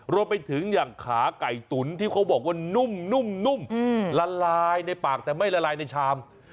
รวมไปถึงอย่างขาไก่ตุ๋นที่เขาบอกว่านุ่มละลายในปากแต่ไม่ละลายในชาม